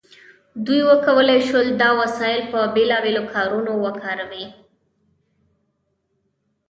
دوی وکولی شول دا وسایل په بیلابیلو کارونو وکاروي.